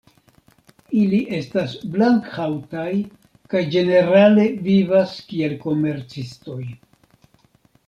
Ili estas blank-haŭtaj kaj ĝenerale vivas kiel komercistoj.